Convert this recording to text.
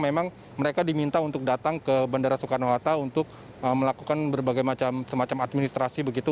memang mereka diminta untuk datang ke bandara soekarno hatta untuk melakukan berbagai macam administrasi begitu